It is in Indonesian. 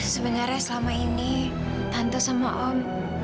sebenarnya selama ini hantu sama om